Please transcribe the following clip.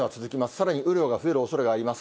さらに雨量が増えるおそれがあります。